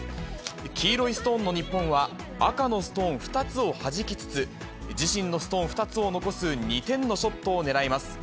黄色いストーンの日本は、赤のストーン２つをはじきつつ、自身のストーン２つを残す２点のショットを狙います。